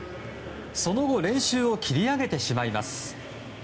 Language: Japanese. その後練習を切り上げてしまいます。